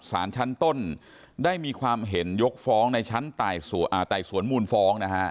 สารชั้นต้นได้มีความเห็นยกฟ้องในชั้นไต่สวนมูลฟ้องนะฮะ